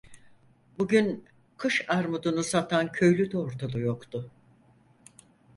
Bugün, kış armudunu satan köylü de ortada yoktu.